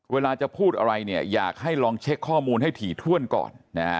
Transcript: เวลาจะพูดอะไรเนี่ยอยากให้ลองเช็คข้อมูลให้ถี่ถ้วนก่อน